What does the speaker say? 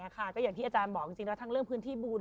ก็อย่างที่อาจารย์บอกจริงแล้วทั้งเรื่องพื้นที่บุญ